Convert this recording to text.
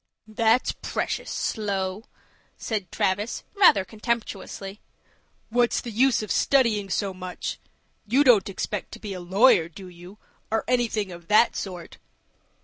"That's precious slow," said Travis, rather contemptuously. "What's the use of studying so much? You don't expect to be a lawyer, do you, or anything of that sort?"